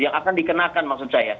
yang akan dikenakan maksud saya